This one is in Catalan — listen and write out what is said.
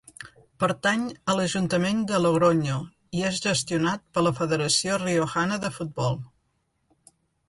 Pertany a l'Ajuntament de Logronyo i és gestionat per la Federació Riojana de Futbol.